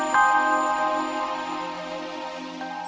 ya gue juga